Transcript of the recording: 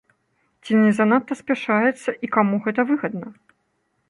Ці не занадта спяшаецца і каму гэта выгадна?